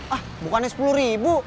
ah bukannya sepuluh ribu